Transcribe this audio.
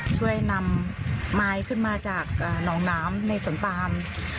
ช่วยนำไม้ขึ้นมาจากหนองน้ำในสวนปาม